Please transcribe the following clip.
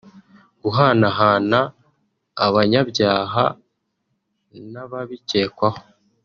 guhanahana abanyabyaha n’ababikekwaho